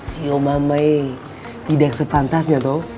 si omama eh tidak sepantasnya toh